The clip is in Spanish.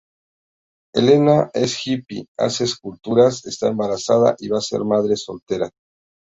Elena es hippie, hace esculturas, esta embarazada y va a ser madre soltera.